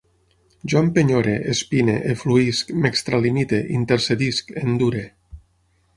Jo empenyore, espine, efluïsc, m'extralimite, intercedisc, endure